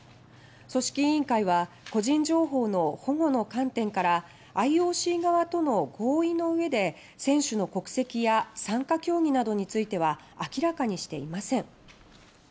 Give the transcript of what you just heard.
組織委員会は個人情報の保護の観点からＩＯＣ側との合意の上で選手の国籍や参加競技などについては明らかにしていません。